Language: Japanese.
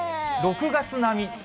６月並み。